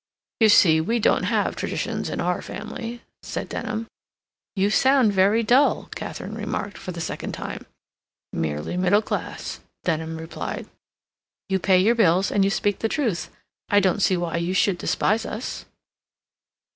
"You see, we don't have traditions in our family," said Denham. "You sound very dull," Katharine remarked, for the second time. "Merely middle class," Denham replied. "You pay your bills, and you speak the truth. I don't see why you should despise us."